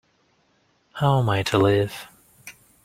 How am I to live?